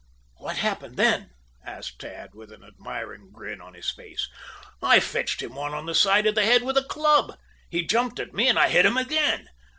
"What happened then?" asked Tad, with an admiring grin on his face. "I fetched him one on the side of the head with a club. He jumped at me and I hit him again.